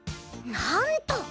なんと！